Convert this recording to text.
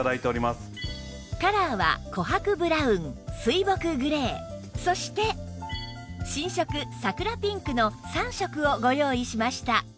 カラーは琥珀ブラウン水墨グレーそして新色桜ピンクの３色をご用意しました